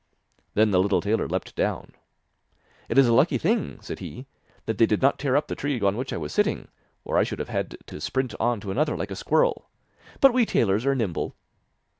Then the little tailor leapt down. 'It is a lucky thing,' said he, 'that they did not tear up the tree on which I was sitting, or I should have had to sprint on to another like a squirrel; but we tailors are nimble.